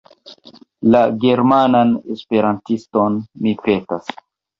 La »Germanan Esperantiston« mi petas.